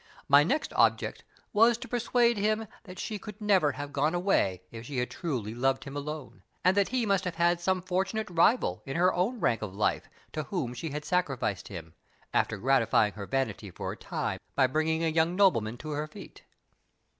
My next object was to persuade him that she could never have gone away if she had truly loved him alone; and that he must have had some fortunate rival in her own rank of life, to whom she had sacrificed him, after gratifying her vanity for a time by bringing a young nobleman to her feet.